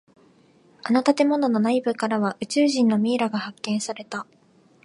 あの建物の内部からは宇宙人のミイラが発見された。